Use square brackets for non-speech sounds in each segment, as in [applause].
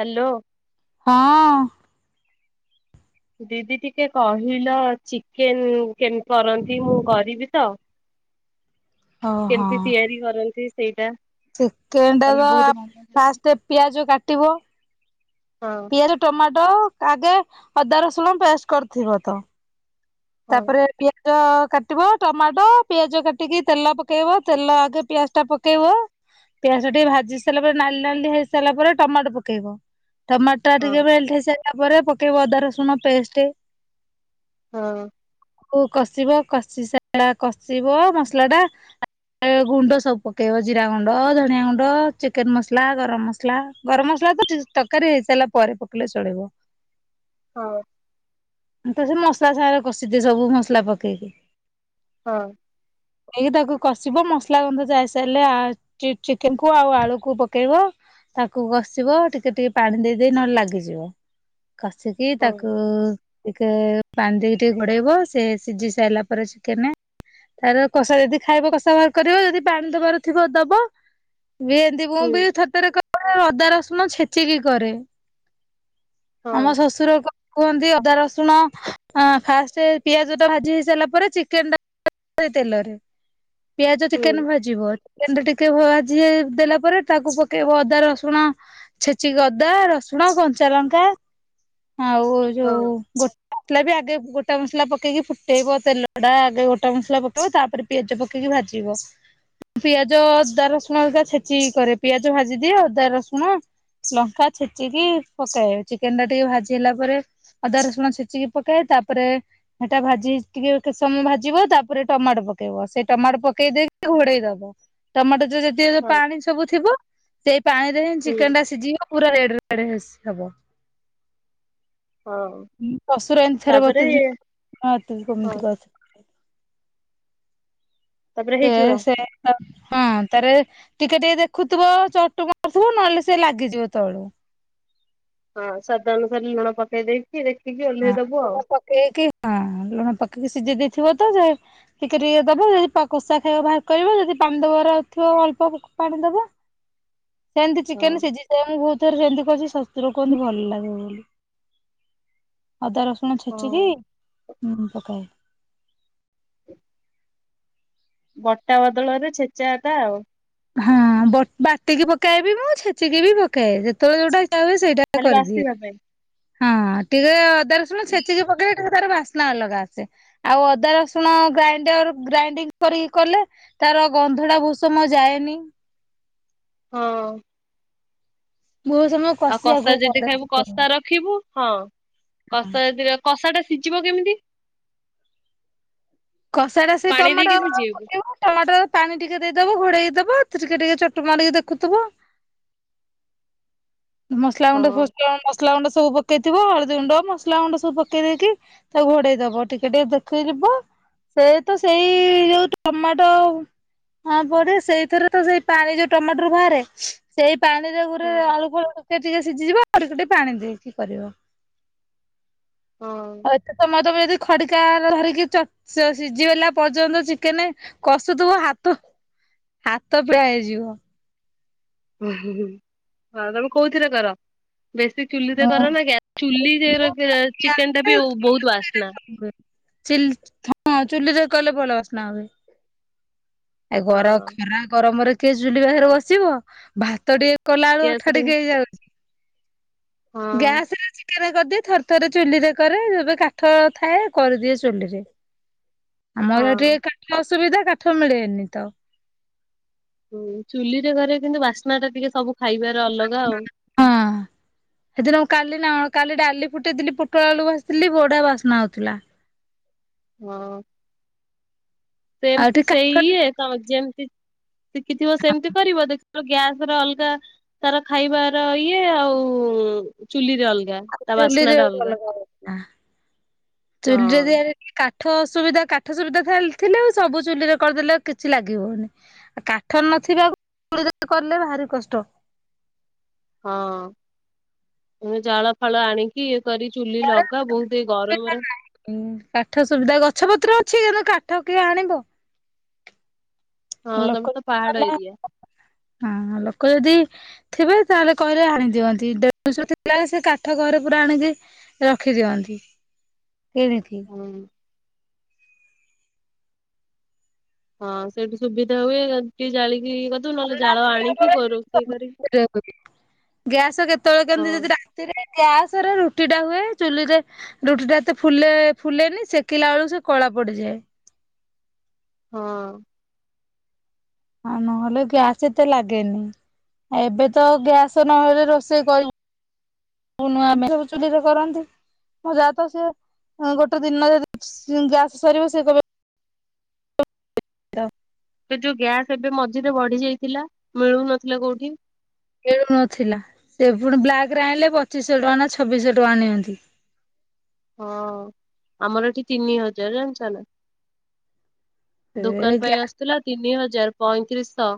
Hello. ହଁ। ଦିଦି ଟିକେ କହିଲ ଚିକେନ କେମତି କରନ୍ତି। ମୁଁ କରିବି ତ ଓ ହଁ କେମତି ତିଆରି କରନ୍ତି। ସେଇଟା ଚିକେନ ଟା ତମେ ତ ବହୁତ ଭଲ ଫାଷ୍ଟ ପିଆଜ କାଟିବ ହଁ ପିଆଜ ଟମାଟୋ। ଆଗେ ଅଦା ରସୁଣ ପେଷ୍ଟ କରିଥିବ ତ ହଁ ତାପରେ ପିଆ ପ କାଟିବ ଟମାଟୋ ପିଆଜ କାଟିକି ତେଲ ପକେଇବ ତେଲ ଆଗେ ପିଆଜ ଟା ପକେଇବ ପିଆଜ ଟିକେ ଭାଜି ସାରିଲା ପରେ ନାଲି ନାଲି ହେଇସାରିଲା ପରେ ଟମାଟୋ ପକେଇବ। ଟମାଟର ହଁ ଟିକେ ମେ ସେ ତାପରେ ପକେଇବ ଅଦା ରସୁଣ ପେଷ୍ଟ ହଁ। ଆଉ କଷିବ କଷି ସାରିଲା କଷିବ ମସଲା ଟା ଗୁଣ୍ଡ ସବୁ ପକେଇବ ଜିରା ଗୁଣ୍ଡ ଧନିଆ ଗୁଣ୍ଡ ଚିକେନ ମସଲା ଗରମ ମସଲା ଗରମ ମସଲା ତ ତରକାରୀ ହେଇସାରିଲା ପରେ ପକେଇଲେ ଚଳିବ। ହଁ। ତ ସେ ମସଲା ସ କଷିଦିଏ ସବୁ ମସଲା ପକେଇକି। ହଁ। କି ତାକୁ କଷିବ ମସଲା ଗନ୍ଧ ଯାଇସାରିଲେ ଚିକେନ କ ଆଉ ଆଳୁକୁ ପକେଇବ ତାକୁ କଷିବ ଟିକେ ଟିକେ ପାଣି ଦେଇ ଦେଇ ନହେଲେ ଲାଗିଯିବ। କଷିକି ହଁ ତାକୁ ଟିକେ ପାଣି ଦେଇକି ଟିକେ ଘୋଡେଇବ ସେ ସିଝି ସାରିଲା ପରେ ଚିକେନ ତାର କଷା ଯଦି ଖାଇବ କଷା ବାହାର କରିବ ଯଦି ପାଣି ଦବାର ଥିବ ଦବ। ଭ ଏତି ମୁ ହୁଁ ବି ଥତରେ ରେ ରଦା ରସୁଣ ଛେଚିକି କରେ ଆମ ହଁ ଶ୍ୱଶୁର କୁହନ୍ତି ଅଦା ରସୁଣ ଫାଷ୍ଟ ପିଆଜ ଟା ଭାଜି ହେଇ ସାରିଲା ପରେ ଚିକେନ ଟା ତେଲରେ ପିଆଜ ହୁଁ ଟିକେନ ଭାଜିବ ଟିକେ ଭାଜି ଦେଲା ପରେ ତାକୁ ପକେଇବ ଅଦା ରସୁଣ ଛେଚିକି ଅଦା ରସୁଣ କଞ୍ଚା ଲଙ୍କା। ଆଉ ହଁ ଯୋଉ ଗୋଟେ ମସଲା ବି ଆଗେ ଗୋଟା ମସଲା ପକେଇକି ଫୁଟେଇବ ତେଲ ଟା ଆଗେ ଗୋଟା ମସଲା ପକେଇବ ତାପରେ ପିଆଜ ପକେଇକି ଭାଜିବ। ପିଆଜ ଅଦା ରସୁଣିକା ଛେଚିକି କରେ ପିଆଜ ଭାଜିଦିଏ। ଅଦା ରସୁଣ ଲଙ୍କା ଛେଚିକି ପକେଇ ଚିକେନ ଟା ଟିକେ ଭାଜି ହେଲା ପରେ ଅଦା ରସୁଣ ଛେଚିକି ପକାଏ ତାପରେ ସେଟା ଭାଜି ଟିକେ କି ସମୟ ଭାଜିବ ତାପରେ ଟମାଟୋ ପକେଇବ ସେଇ ଟମାଟୋ ପକେଇ ଦେଇକି ଘୋଡେଇ ଦବ ଟମାଟ। ଯଦି ହଁ ପାଣି ସବୁ ଥିବ। ସେ ପାଣିରେ ହୁଁ ଚିକେନ ଟା ସିଝିବ ପୁରା [unintelligible] ହବ। ହଁ ଶଶୁର ଏମିତି ଥରେ ତାପରେ ବତେଇଥିଲେ ହଁ କେମିତିଛ। ତାପରେ ସେ ହେଇଯିବ ସେ ହଁ ତ ଟିକେ ଟିକେ ଦେଖୁଥିବ ଚଟୁ ମାରୁଥିବ ନହେଲେ ସେ ଲାଗିଯିବ ତଳୁ ହଁ ସଦା ଅନୁସାରେ ଲୁଣ ପକେଇ ଦେଖିକି ଓହ୍ଲେଇ ହଁ ଦବୁ ଆଉ ଲୁଣ ପକେଇକି ହଁ ଲୁଣ ପକେଇକି ସିଝି ଦେଇଥିବ ତ ଠିକ ଦବ ଯଦି କୋଷା ଖାଇବା ବାହାର କରିବ ଯଦି ପାଣି ଦବାରଥିବ ଅଳ୍ପ ପାଣି ଦବ। ସେମିତି ହଁ ଚିକେନ ସିଝିଯିବ ବହୁତ। ଯେମିତି କରିଛି ଶଶୁର କୁହନ୍ତି ଭଲ ଲାଗେ ବୋଲି। ଅଦା ରସୁଣ ହଁ ଛେଚିକି ହୁଁ ପକାଏ। [inaudible] ବଟା ବଦଳରେ ଛେଚା ଟା ଆଉ ହଁ ବାଟିକି ପକଏବି ମୁଁ ଛେଚିକି ବି ପକଏବି ଯେତେବେଳେ ଯୋଉଟା ସେଇଟା ଖାଲି କରିଦିଏ। ବାସିବା ପାଇଁ ହଁ ଟିକେ ଅଦାର ଶୁଣ ଛଚିକି ପକେଇ ତାର ବାସ୍ନା ଅଲଗା ଆସେ ଆଉ ଅଦା ରସୁଣ ଗ୍ରାଇଣ୍ଡର ଗ୍ରାଇଣ୍ଡିଙ୍ଗ କରିକି କଲେ ତାର ଗନ୍ଧଟା ଭୂଷମ ଯାଏ ନି ହଉ। ବହୁତ ସମୟ ଆଉ କଷିବାକୁ କଷା ଯଦି ପଡେ ଖାଇବୁ ଚିକେନ। କଷା ରଖିବୁ ହଉ। କସା [unintelligible] କଷା ଟା ସିଜିବ କେମିତି? [inaudible] କଷା ଟା ସେ ପାଣି ଟମାଟୋ ଦେଇକି ସିଝେଇବୁ ପକେଇବ ଟମାଟୋର ପାଣି ଟିକେ ଦେଇଦବ ଘୋଡେଇ ଦେବା ଟିକେ ଟିକେ ଚୋଟ ମା ଟିକେ ଦେଖୁଥିବ। [inaudible] ମସଲା ହଁ। ଗୁଣ୍ଡ ମସଲା ଗୁଣ୍ଡ ସବୁ ପକେଇଥିବ ହଳଦୀ ଗୁଣ୍ଡ ମସଲା ଗୁଣ୍ଡ ସବୁ ପକେଇ ଦେଇେଇକି ତାକୁ ଘୋଡେଇ ଦବ ଟିକେ ଟିକେ ଦେଖେଇ ଯିବ ସେ ତ ସେଇ ଯୋଉ ଟମାଟୋ ହ ପଡେ ସେଇଥିରେ ତ ସେଇ ପାଣି ଯୋଉ ଟମାଟୋରୁ ବାହାରେ ସେଇ ପାଣିରେ ଗୁରେ ହଁ ଆଳୁ ଫାଳୁ ଟିକେ ସିଝିଯିବ ଆଉ ଟିକେ ପାଣି ଦେଇ କି କରିବ। ହଉ ହୁଁ ତ ତମ ତମ ଯଦି ଖଡିକା ଧରିକି ସିଝିଗଲା ପର୍ଯ୍ୟନ୍ତ ଚିକେନ କଷୁଥିବ ହାତ ହାତ ପୁରା ହେଇଯିବ। ଉଁ ହୁଁ ତମେ କୋଉରେ କର। ବେଶୀ ଚୁଲି ତ କର ନା ଚୁଲି ଚିକେନ ଟା ବି ବହୁତ ବାସ୍ନା ଚୁଲି ହଁ ଚୁଲିରେ କଲେ ଭଲ ବାସ୍ନା ହୁଏ। ଏ ଗର ହଁ ଖରା ଗରମରେ ସେ ଚୁଲି ପାଖରେ ବସିବ ଭାତ ଟିକେ କଲାବେଳୁ ଗ୍ୟାସ ଅଠା ରେ ଟିକେ ହେଇଯାଉଛି। ହଁ। ଗ୍ୟାସରେ ଚିକେନ କରିଦି ଥରେ ଥରେ ଚୁଲି ରେ କରେ ଏବେ କାଠ ଥାଏ କରିଦିଏ ଚୁଲିରେ। ଆମର ଏଠି ହଁ କାଠ ସୁବିଧା କାଠ ମିଳେନି ତ ହୁ ଚୁଲିରେ ଘରେ କିନ୍ତୁ ବାସ୍ନା ଟା ଟିକେ ସବୁ ଖାଇବାର ଅଲଗା ଆଉ ହଁ। ସେଦିନ କାଲି ନା କାଲି ଡାଲି ଫୁଟେଇଥିଲି ପୋଟଳ ବେଳକୁ ଆସିଥିଲି ବଢା ବାସ୍ନା ହଉଥିଲା ହଁ ଆଉ ଏଠି ସେମିତି କାଠ ସେଇ ଟିକେ ତମ ଯେମତି ଶିଖିଥିବ ସେମିତି କରିବ ଦେଖ ଗ୍ୟାସ ର ଅଲଗା ତାର ଖାଇବାର ଇଏ ଆଉ ଚୁଲି ଆଉ ଚୁଲିରେ ଅଲଗା ହଛି ନା ଚୁଲିରେ ହଁ ଦିଆା କାଠସୁବିଧା କାଠ ସୁବିଧା ଥିଲେ ଆ ସବୁ ଚୁଲିରେ କରିଦେଲେଉ କିଛି ଲାଗିବଉନି ଆଉ କାଠ ନଥିବା ଚ କଲେ ଭାରି କଷ୍ଟ ହଁ ମୁ ଜାଳ ଫାଳ ଆଣିକି କରି ଚୁଲି ଲଗା ବହୁତ ଏଇ ଗରମରେ କାଠ ସୁବିଧା ଗଛ ପତ୍ର ଅଛିୁ କାଠ ଠକି ଆଣବୋ ହଁ ତମେ ଲୋକଁ ତ ପାହାଡ ଏରିଆ। ଲୋକ ଯଦି ଥିବେ ତାହେଲେ କହିଲେ ଆଣି ଦିଅନ୍ତି ଦେଢିନିଷ ଥିଲା ସେ କାଠ ଘରେ ପୁରା ଆଣିକି ରଖିଦିଅନ୍ତି ସେରି ହୁଁ ହଁ ସେଇଠୁ ସୁବିଧା ହୁଏ ଜାଳି ଥିଲା କରିକି ଗ୍ୟାସ କେତେବେଳେ ହଁ କେମତି ଯଦି ରାତିରେ ଗ୍ୟାସରେ ରୁଟି ଟା ହୁଏ ଚୁଲିରେ ରୁଟି ଟା ଏତେ ଫୁ ଫୁଲେନି ସେକିଲା ବେଳକୁ ସେ କଳା ପଡିଯାଏ ହଁ ନହେଲେ ଗ୍ୟାସ ଏତେ ଲାଗେନି ଏବେ ତ ଗ୍ୟାସ ନହେଲେ ରୋଷେଇ କରିବୁ ନୂ ସବୁ ଚୁଲିରେ କରନ୍ତି ମ ଯା ତ ସି ଗୋଟେ ଦିନ ଯ ଗ୍ୟାସ ସରିବ ସେ କ ସେ ଯୋଉ ଗ୍ୟାସ ଏବେ ମଝିରେ ବଢି ଯାଇଥିଲା ମିଳୁନଥିଲା କୋଉଠି ଖଳୁନଥିଲା ସେ ପୁଣି ବ୍ଲାକରେ ଆଣିଲେ ପଚିଶଶହ ଟଙ୍କା ନା ଛବିଶ ଟଙ୍କା ନିଅନ୍ତି ହଁ ଆମର ଏଠି ତିନି ହଜାର ଜଣି ଚାଲା ଏ ଦୋକାନ ପାଇଁ ଗ୍ୟାସ ଆସୁଥିଲା ତିନି ହଜାର ପଇଁତିରିଶଶ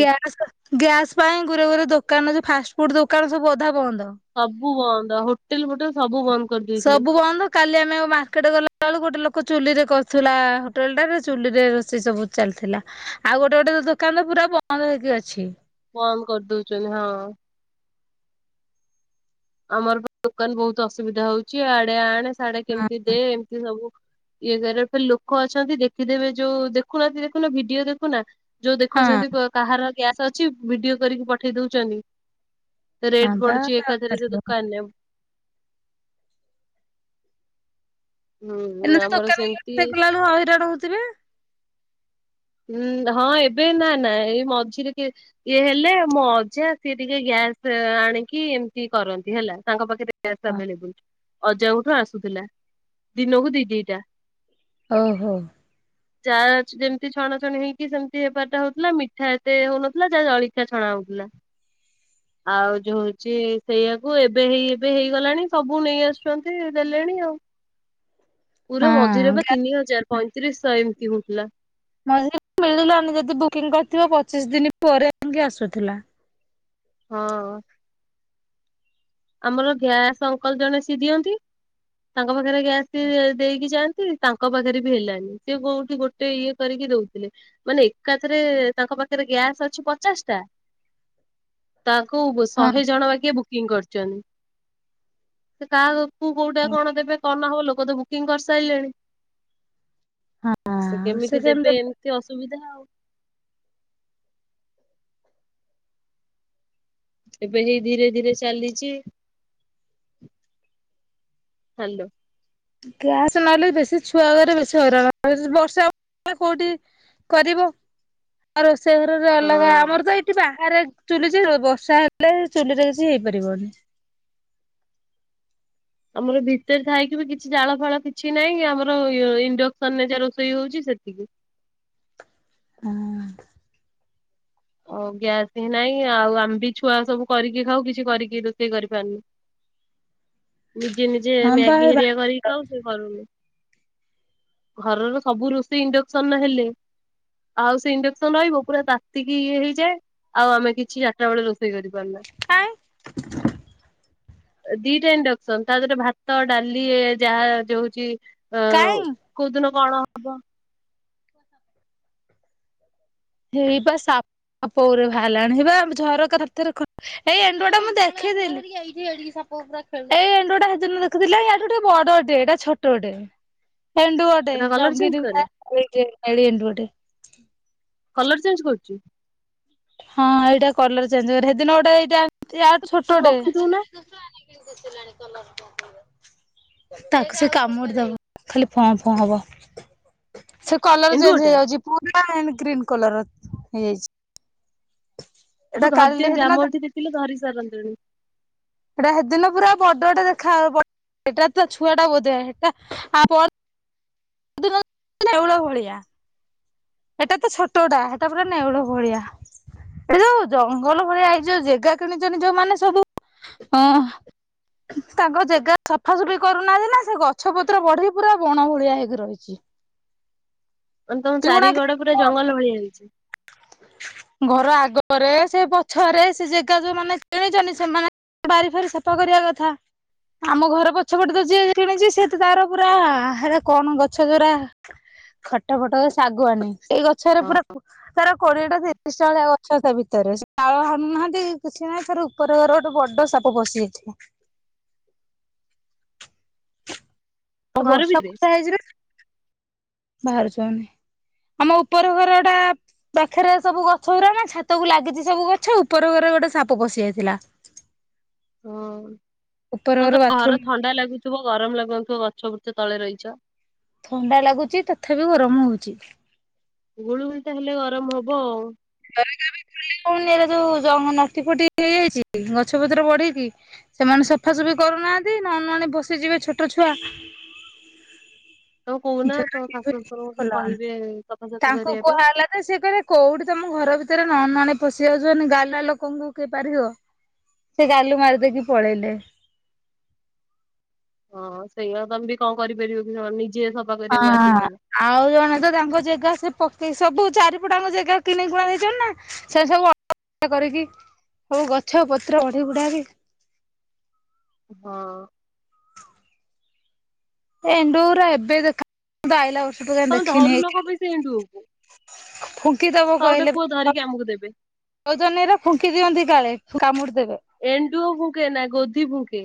ଗ୍ୟାସ୍ ଗ୍ୟାସ୍ ପାଇଁ ଗୋରେ ଗୋରେ ଦୋକାନ ଯୋ ଫାଷ୍ଟଫୁଡ଼୍ ଦୋକାନ ସବୁ ଅଧା ବନ୍ଦ ଅବୁ ହ ହୋଟେଲ ଫୋଟେ ସବ ସବୁ ବନ୍ଦ କାଲି ଆମେ ମାର୍କେଟ ଗଲା ବେଳକୁ ଗୋଟେ ଲୋକ ଚୁଲିରେ କରି ଥିଲା ହୋଟେଲଟା ଚୁଲିରେ ରୋଷେଇ ସବୁ ଚାଲିଥିଲା ଆଉ ଗୋଟେ ଗୋଟେ ଦୋକାନ ତ ପୁରା ବନ୍ଦ ହେଇକି ଅଛି କମ କରିଦଉଛନ୍ତି ହଁ ଆମର ଦୋକାନ ବହୁତ ଅସୁବିଧା ହଉଛି ଆଡେ ଆଣେ ସଡା ହଁ କେମିତି ଦେ ଏମିତି ସବୁ ଇଏ ଲୋକ ଅଛନ୍ତି ଦେଖିଦେବେ ଯୋଉ ଦେଖୁନାହାନ୍ତି ଦେଖୁନା ଭିଡିଓ ଦେଖୁନା ଯୋଉ ହଁ ଦେଖୁଛନ୍ତି କାହାର ଗ୍ୟାସ୍ ଅଛି ଭିଡିଓ କରିକି ପଠେଇ ଦଉଛନ୍ତି। ହଁ ରେଟ୍ ବା ପଢୁଛି ଏକାଥରେ ସେ। [unintelligible] ହୁଁ ଏମତି ଆମର ସେମିତି ଦୋକାନଗା ବଳୁ ହଇରାଣ ହଉଛି। ତେ। ଉଁ ହଁ ଏବେ ନା ନା ଏଇ ମଝିରେ କେ ଇଏ ହେଲେ ମୋଜା ସିଏ ଟିକେ ଗ୍ୟାସ୍ ଆଣିକି ଏମିତି କରନ୍ତି ହେଲା ତାଙ୍କ ପାଖରେ। Gas available. ଅଜାଙ୍କଠୁ ଆସୁଥିଲା ଦିନକୁ ଦି ଦିଟା। ଓହୋ। ଯାହା ଅଛି ଯେମତି। ଏତି ଛଣା ଛଣି ହେଇକି ସେମିତି ହେବାରଟା ହଉଥିଲା ମିଠା ଏତେ ହଉନଥିଲା ଯାହା ଜଳିଖିଆ ଛଣା ହଉଥିଲା ଆଉ ଯୋ ହଉଛି ସେଇଆକୁ ଏବେ ହେଇ ଏବେ ହେଇଗଲାଣି ସବୁ ନେଇ ଆସୁଛନ୍ତି ଦେଲେଣି ଆଉ। ପୁରା ହଁ ମଝିରେ ବା ଗ୍ୟା ତିନି ହଜାର ପଇଁତିରିଶ ଶହ ଏମିତି ହଉଥିଲା। ମଝ ମିଳିଲାନି ଯଦି ବୁକିଂ କରିିବ ପଚିଶ ଦିନି ପରେ ଆସୁଥିଲା। ହଁ। ଆମର ଗ୍ୟାସ ଅଙ୍କଲ ଜଣେ ସି ଦିଅନ୍ତି ତା। ତାଙ୍କ ପାଖରେ ଗ୍ୟାସ୍ ଦେଇକି ଯାଆନ୍ତି। ତାଙ୍କ ପାଖରେ ବି ହେଲାନି ସେଏ କୋଉଠି ଗୋଟେ ଇଏ କରିକି ଦଉଥିଲେ ମାନେ ଏକାଥରେ ତାଙ୍କ ପାଖରେ ଗ୍ୟାସ୍ ଅଛି ପଚାଶ ଟା। ତାଙ୍କୁ ଶହେ ହଁ। ଜଣ ବାକି ବୁକିଂ କରି। ସେ କା। ତୁ କୋଉଟା କଣ ଦେବେ କଣ ହବ ଲୋକ ଦେବୁ। ବୁକିଂ କରିସାରିଲେଣି। ସେ କେମିତି ଦେବେ ଏମିତି ଅସୁବିଧା ଆଉ। ଏବେ ହେଇ ଧୀରେ ଧୀରେ ଚାଲିଛି ହାଲୋ। ଗ୍ୟାସ ନହେଲେ ବେଶୀ ଛୁଆ ଘରେ ବେଶୀ ହଇରାଣ ବର୍ଷାଷ କୋଉଠି କରିବ ଆ। ସେଘରରେ ଅଲଗା ହଁ। ଆମର ତ ଏଇଠି ବା ଆରେ ଚୁଲି ବର୍ଷା ହେଲେ ଚୁଲି ରେ କିଛି ହେଇପାରିବନି। ଆମର ଭିତରେ ଥାଇକି ବି କିଛି ଜାଳ ଫାଳ କିଛି ନାହିଁ ଆମର ଇଣ୍ଡକ୍ସନ ରେ ଯ ରୋଷେଇ ହଉଛି ସେତିକି। ହ। ଓ ଗ୍ୟାସ ହିଁ ନହିଁ ଆଉ ଆମ ବି ଛୁଆ ସବୁ କରିକି ଖାଉ କିଛି କରିକି ରୋଷେଇ କରିପାରୁନୁ। ନିଜେ ନିଜେ ହଁ ମ୍ୟାଗି ବା ହେରିଆ କରିକି ଖାଉ। ଘରର ସବୁ ରୋଷେଇ ଇଣ୍ଡକ୍ସନ ହେଲେ ଆଉ ସେ ଇଣ୍ଡକ୍ସନ ରହିବ ପୁରା ତାତି ଇଏ ହେଇଯାଏ ଆଉ ଆମେ କିଛି ଚାରିଟା ବେଳେ ରୋଷେଇ କରିପାରୁନା। କାଇଁ? ଦିଟା ଇଣ୍ଡକ୍ସନ୍ ତା ଦେହରେ ଭାତ ଡାଲି ଯାହା ଯାଉଚି। ଆଉ କାଇଁ କୋଉଦିନ କଣ? ହବ। ହେଇପା ସାପ ସାପଗୁରେ ଭାହାରିଲାଣି ହେଇପା, ଝରକା କତିରେ ଖ ଏଇ ଏଣ୍ଡୁଅ ଟା ମୁଁ ଦେଖିଥିଲି, ଏଇ ଏଣ୍ଡୁଅ ଟା ହେଦିନ ଦେଖିଥିଲେ, ୟାକୁ ଟିକେ ଗୋଟେ ବଡଟେ ଏଇଟା ଛୋଟଟେ। ଏଣ୍ଡୁଅଟେ ସେଟା କଲର ଚେଞ୍ଜ ସଙ୍ଗୀତ- କରେ [unintelligible] ଏଣ୍ଡୁଅ ଟେ। କଲର୍ ଚେଞ୍ଜ କରୁଚି? ହଁ ଏଇଟା କଲର୍ ଚେଞ୍ଜ କରେ ସେଦିନ ଗୋଟେ ଏଇଟା ୟାଠୁ ତ ରଖିଦଉନା ଛୋଟଟେ- [inaudible] ତାକୁ-ସେ କାମୁଡି ଦବ ଖାଲି ଫଁ ଫଁ ହବ। ସେ କଲର୍ ଏଣ୍ଡୁଅ ଚେଞ୍ଜ ଟା ହେଇଯାଉଚି ପୁଣି ହ- ଗ୍ରୀନ କଲର୍ ହେଇଯାଇଚି। ତାକୁ ଧରି ଦିଅନ୍ତି, ହେଦିନ ଆମ ଏଠି ଦେଖିଲେ ଧରି ସାରନ୍ତେଣି। ଏଇଟା ସେଦିନ ପୁରା ବଡ଼ଟେ ଦେଖା-ବ-ଏଟା ତା ଛୁଆଟା ବୋଧେ ସେଟା ଆଉ ଏଳ ଭଳିଆ ଏଟା ତ ଛୋଟଟା ସେଟା ପୁରା ନେଉଳ ଭଳିଆ, ଏଟା ଯୋଉ ଜଙ୍ଗଲ ଭଳିଆ ହେଇ ଯୋଉ ଜାଗା କିଣିଛନ୍ତିଛନ୍ତି, ଯୋଉମାନେ ସବୁ ଅ ତାଙ୍କ ଜାଗା ସଫାସୁଫି କରୁନାହାନ୍ତି ନା ସେ ଗଛ ପତ୍ର ବଢିକି ପୁରା ବଣ ଭଳିଆ ହେଇକି ରହିଛି। ମାନେ ତମ ପିଗୁଣା ଚାରିକଡ ପୁରା ଜଙ୍ଗଲ ଭଳିଆ ହେଇଚି। ଘର ଆଗରେ ସେ ପଛରେ, ସେ ଜାଗା ଯୋଉମାନେ କିଣିଛନ୍ତି ସେମାନେ ବାରି ଫାରି ସଫା କରିବା କଥା ଆମ ଘର ପଛପଟେ ତ ଯିଏ କିଣିଛି ସେ ତ ତାର ପୁରା ହେରା କଣ ଗଛ ଯଉରା ଖଟ ଫଟ ହୁଏ ସେ ଆଗୁଆନୀ। ଏଇ ଗଛରେ ପୁରା-ପୁ ତାର କୋଡିଏଟା ତିରିଶଟା ବଳିଆ ଗଛ ତା ଭିତରେ ସେ ତାଳ ହାନଣୁନାହାନ୍ତି କିଛି ନାହିଁ ତାର ଉପରକରେ ଗୋଟେ ବଡ ସାପ ପଶିଯାଇଥିଲା। ତମ ଘର ବର୍ଷା ଭିତରେ ଫର୍ଷା ହେଇଚିନା ବାହାରୁଚୁ ଆମେ ଆମ ଉପର ଘରଟା ପାଖରେ ସବୁ ଗଛ ଗୁରା ନା ଛାତକୁ ଲାଗିଛି ସବୁ ଗଛ ଉପର ଘରେ ଗୋଟେ ସାପ ପଶି ଯାଇଥିଲା। ହଁ ଉପର ତମରତ ବାଥରୁମ ଘର ଥଣ୍ଡା ଲାଗୁଥିବ ଗରମ ଲାଗୁନଥିବ ଛବୃଛ ତଳେ ରହିଚ ଥଣ୍ଡା ଲାଗୁଚି ତଥାବି ଗରମ ହଉଚି। ଗୁଳୁ ଗୁଳି ଟା ହେଲେ ଗରମ ହବ ଆଉ। ଏ ଯୋଉ ନଟି ଫଟି ହେଇଯାଇଛି ଗଛ ପତ୍ର ବଢିକି ସେମାନେ ସଫାସଫି କରୁନାହାନ୍ତି ନ ନୁଆଁଣିଆ ପଶିଯିବେ ଛୋଟ ଛୁଆ ତମେ କହୁନା ତମ ଶାଶୁ ଶଶୁରଙ୍କୁ ସେ କହିବେ ସଫାସଫ ତାଙ୍କୁ କରିବା ପାଇଁ। କୁହାଗଲା ଯେ ସେ କହିଲେ କୋଉଠି ତମ ଘର ଭିତରେ ନ ନୁଆଁଣିଆ ପଶି ଯାଉଛନ୍ତି ଗାଲୁଆ ଲୋକଙ୍କୁ କିଏ ପାରିବ, ସେ ଗାଲୁ ମାରିଦେଇକି ପଳେଇଲେ ହଁ ସେଇଆ ତମେ ବି କଣ କରିପାରିବ କି ନିଜେ ସଫା କରିବାକୁ ବାଧ୍ୟ ହଁ ହବ। ଆଉ ଜଣେ ତ ତାଙ୍କ ଜେଗା ସେ ପକେଇ ସବୁ ଚାରିପଟାଙ୍କ ଜେଗା କିଣିକୁଣା ଦେଇଚନ୍ତିନା ସେ ସବୁ ଅ [unintelligible] କରିକି ସବୁ ଗଛ ପତ୍ର ବଢି ବୁଢାକି ହଁ। ଏଣ୍ଡୁଅ ଗୁରା ଏବେ ଦେଖା [inaudible] ହେ [inaudible] ଆଇଲା ବର୍ଷ। ସେ ତ [unintelligible] ତମେ ଦେଖିନି ଧରୁନ କଣ ପାଇଁ ସେ ଏଣ୍ଡୁଅକୁ ଫୁଙ୍କିଦବ କାହାକୁ କହିଲେ [inaudible] କୁହ ଧରିକି ଆମକୁ ଦେବେ। କରା ଫୁଙ୍କି ଦିଅନ୍ତି କାଳେ କାମୁଡିଦେବେ ଏଣ୍ଡୁଅ ଭୁଙ୍କେ ନା ଗୋଧି ଭୁଙ୍କେ।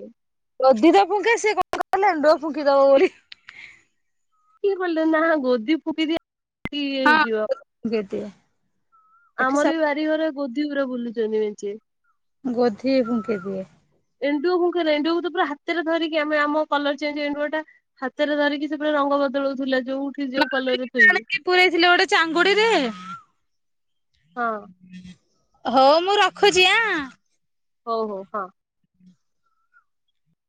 ଗଦି ତ ଫୁଙ୍କେ ସେ କଣ [inaudible] ଫୁଙ୍କିଦବ ବୋଲି। କିଏ କହିଲା ନାଁ ଗୋଦି ଫୁଙ୍କିଦିଏ। ଇଏ ହଁ ହେଇଯିବ ଫୁଙ୍କି ଦିଏ। ଏଠି ଆମର ବି ସବୁ ବାରିଘରେ ଗ। ତୀବ୍ର ବୁଲୁଛନ୍ତି [inaudible] ଗୋଧି ହୁଙ୍କେ ଦିଏ। ଏଣ୍ଡୁଅ ଏଣ୍ଡୁକୁ ପରା ହାତରେ ଧରିକି ଆମେ ଆମ କଲର ଚେଞ୍ଜ ଏଣ୍ଡୁଅଟା ହାତରେ ଧରିକି ସେ ପୁରା ରଙ୍ଗ ବଦଳଉଥିଲା ଯୋଉଠି ଯଉ। [inaudible] କିଏ ପୁରେଇଥିଲେ ଗୋଟେ ଚାଙ୍ଗୁଡିରେ। ହଁ। ହଉ ମୁଁ ରଖୁଚି ଆଁ। ହଉ ହଉ ହଁ।